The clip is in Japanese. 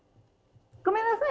ごめんなさい！